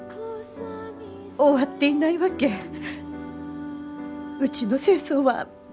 終わっていないわけうちの戦争は。